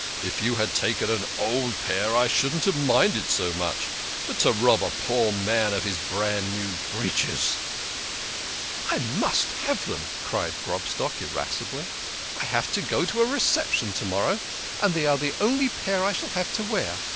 If you had taken an old pair I shouldn't have minded so much ; but to rob a poor man of his brand new breeches !"" I must have them," cried Grobstock irascibly. " I have to go to a reception to morrow, and they are the only pair I shall have to wear.